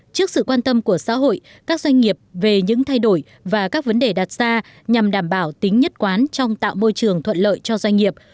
trước sự quan tâm của xã hội các doanh nghiệp về những thay đổi và các vấn đề đặt ra nhằm đảm bảo tính nhất quán trong tạo môi trường thuận lợi cho doanh nghiệp